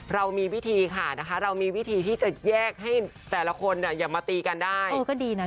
เรามีวิธีค่ะนะคะเรามีวิธีที่จะแยกให้แต่ละคนเนี่ยอย่ามาตีกันได้